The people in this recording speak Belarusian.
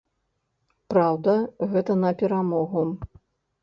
Праўда, гэта на перамогу.